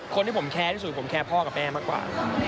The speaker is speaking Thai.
คนที่ผมแค้นที่สุดผมแคร์พ่อกับแม่มากกว่า